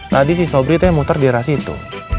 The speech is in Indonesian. tadi si sobri tuh yang muter di arah situ